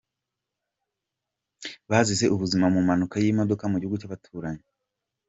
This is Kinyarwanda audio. basize ubuzima mu mpanuka y’imodoka Mugihugu Cyabaturanyi